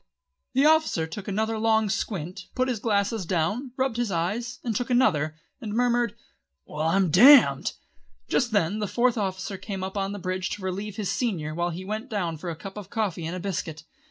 The officer took another long squint, put his glasses down, rubbed his eyes and took another, and murmured, "Well I'm damned!" Just then the Fourth Officer came up on to the bridge to relieve his senior while he went down for a cup of coffee and a biscuit.